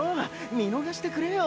見逃してくれよ。